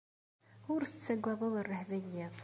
Ur tettaggadeḍ rrehba n yiḍ.